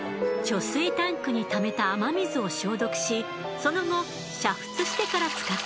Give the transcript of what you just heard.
貯水タンクに溜めた雨水を消毒しその後煮沸してから使っていました。